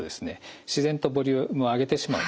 自然とボリュームを上げてしまうんですね。